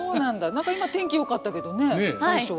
何か今天気よかったけどね最初は。